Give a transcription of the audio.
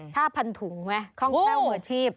๕๐๐๐ถุงไหมข้องแก้วเหมือนชีพ